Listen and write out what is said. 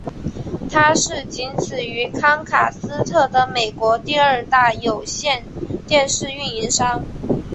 它是仅此于康卡斯特的美国第二大有线电视运营商。